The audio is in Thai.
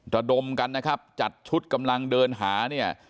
ระดมกันนะครับจัดชุดกำลังเดินหาเนี่ย